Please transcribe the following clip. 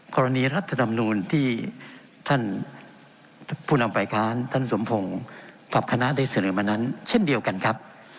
กรณีรัฐนำนูลที่ท่านพุนัมปริคารท่านสมพงศ์ตัพทนาได้เสนอมานั้นเช่นเดียวกันครับ